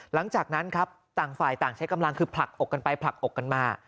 หลังจากนั้นครับต่างฝ่ายต่างใช้กำลังคือผลักอกกันไปผลักอกกันมา